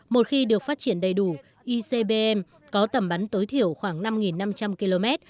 một khi được phát triển đầy đủ icbm có tầm bắn tối thiểu khoảng năm năm trăm linh km